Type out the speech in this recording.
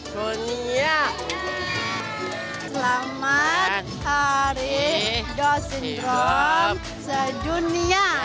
selamat hari down syndrome sedunia